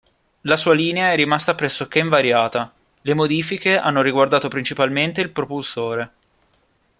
La sua linea è rimasta pressoché invariata; le modifiche hanno riguardato principalmente il propulsore.